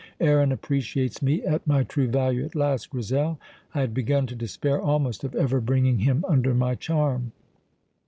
Aaron appreciates me at my true value at last, Grizel. I had begun to despair almost of ever bringing him under my charm."